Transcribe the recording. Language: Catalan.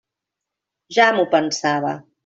Ja m'ho pensava.